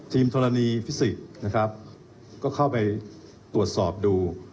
ทีมธรณีฟิสิกส์ก็เข้าไปตรวจสอบดู